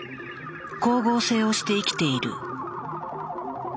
光合成をして生きている。